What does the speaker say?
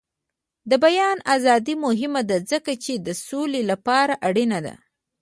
د بیان ازادي مهمه ده ځکه چې د سولې لپاره اړینه ده.